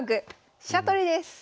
飛車取りです。